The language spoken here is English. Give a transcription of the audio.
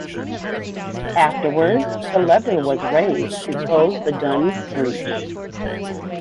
Afterwards the lever was raised to close the gun's breech.